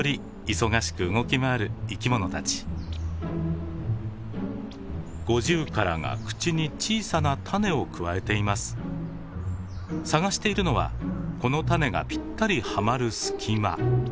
探しているのはこの種がぴったりはまる隙間。